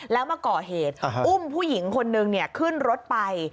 แล้วมาก่อเหตุอุ้มผู้หญิงคนนึงขึ้นรถไป